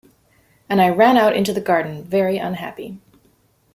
And I ran out into the garden, very unhappy.